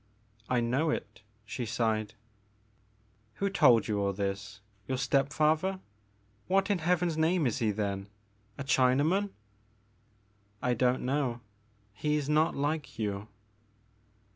I know it," she sighed. Who told you all this? Your step father? What in Heaven's name is he then, — a China man !"I don't know ; he is not like you."